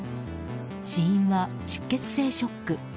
死因は出血性ショック。